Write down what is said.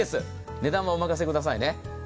値段はお任せくださいね。